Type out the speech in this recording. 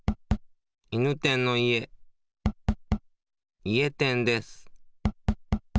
いぬてんのいえいえてんです。